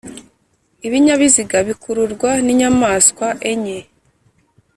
lbinyabiziga bikururwa n inyamaswa enye